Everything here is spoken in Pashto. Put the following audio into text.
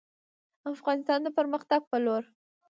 افغانستان د پرمختګ په لور